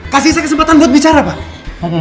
kasih saya kesempatan buat bicara pak